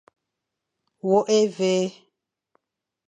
Wôkh évi.